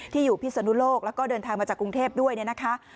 ที่อยู่พิษณุโลกและก็เดินทางมาจากกรุงเทพด้วยนะคะ